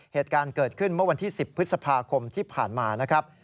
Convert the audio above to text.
เหตุการณ์เกิดขึ้นเมื่อวันที่๑๐พฤษภาคมที่ผ่านมานะครับ